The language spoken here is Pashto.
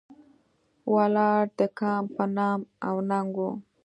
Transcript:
ولاړ د کام په نام او ننګ و.